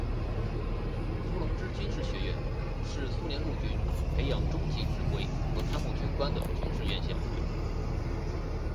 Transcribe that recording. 伏龙芝军事学院是苏联陆军培养中级指挥和参谋军官的军事院校。